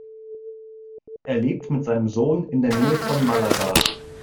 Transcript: Er lebt mit seinem Sohn in der Nähe von Málaga.